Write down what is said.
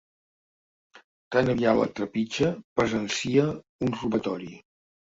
Tan aviat la trepitja presencia un robatori.